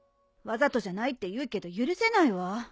わざとじゃないって言うけど許せないわ。